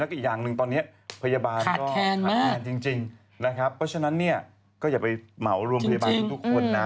แล้วก็อีกอย่างหนึ่งตอนนี้พยาบาลก็ทำงานจริงนะครับเพราะฉะนั้นเนี่ยก็อย่าไปเหมารวมพยาบาลกันทุกคนนะ